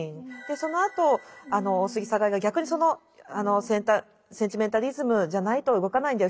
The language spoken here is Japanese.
そのあと大杉栄が逆に「センチメンタリズムじゃないと動かないんだよ